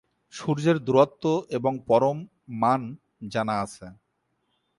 সূর্যের দূরত্ব এবং পরম মান জানা আছে।